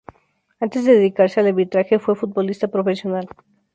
Antes de dedicarse al arbitraje, fue futbolista profesional.